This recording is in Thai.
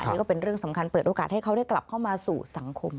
นี่ก็เป็นเรื่องสำคัญเปิดโอกาสให้เขาได้กลับเข้ามาสู่สังคม